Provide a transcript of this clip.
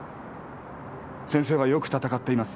先生はよく闘っています。